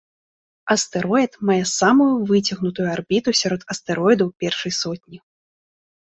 Астэроід мае самую выцягнутую арбіту сярод астэроідаў першай сотні.